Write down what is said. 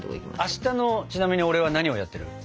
明日のちなみに俺は何をやってる？